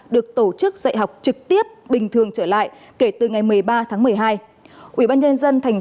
được tổ chức dạy học trực tiếp bình thường trở lại kể từ ngày một mươi ba tháng một mươi hai ubnd tp